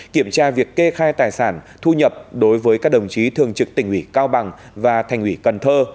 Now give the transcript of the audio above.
kiểm tra việc kê khai tài sản thu nhập đối với các đồng chí thường trực tỉnh ủy cao bằng và thành ủy cần thơ